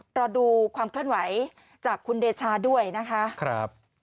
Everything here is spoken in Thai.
รอดูความเคลื่อนไหวจากคุณเดชาด้วยนะคะ